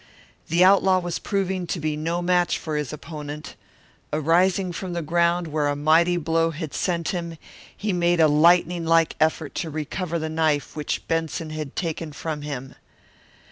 The outlaw was proving to be no match for his opponent. Arising from the ground where a mighty blow had sent him, he made a lightning like effort to recover the knife which Benson had taken from him.